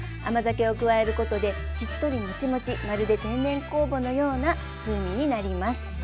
甘酒を加えることでしっとりモチモチまるで天然酵母のような風味になります。